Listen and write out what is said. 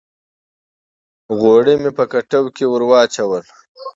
غوړي مې په کټوۍ کښې ور واچول